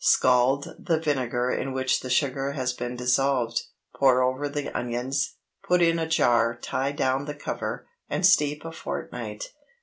Scald the vinegar in which the sugar has been dissolved, pour over the onions; put in a jar, tie down the cover, and steep a fortnight.